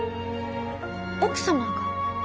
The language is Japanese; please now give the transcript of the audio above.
奥様が？